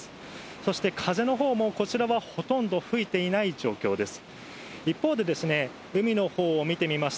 そして風のほうも、こちらはほとんど吹いていない状況です。